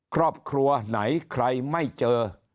ครอบครัวไหนใครไม่เจอ